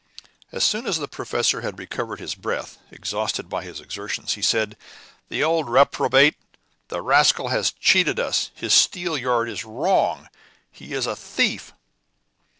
As soon as the professor had recovered his breath, exhausted by his exertions, he said, "The old reprobate, the rascal has cheated us! His steelyard is wrong! He is a thief!"